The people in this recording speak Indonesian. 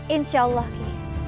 insya allah ki